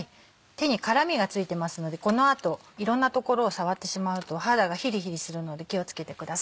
手に辛味が付いてますのでこの後いろんな所を触ってしまうと肌がヒリヒリするので気を付けてください。